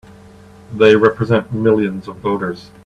They represent millions of voters!